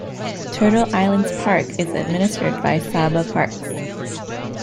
Turtle Islands Park is administered by Sabah Parks.